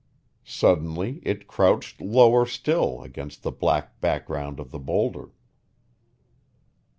Suddenly it crouched lower still against the black background of the boulder.